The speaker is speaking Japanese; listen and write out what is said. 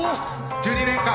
１２年間